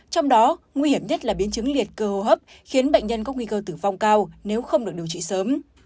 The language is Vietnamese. trong đó nguy hiểm nhất là biến chứng liệt cơ hô hấp khiến bệnh nhân có nguy cơ tử vong cao nếu không được điều trị sớm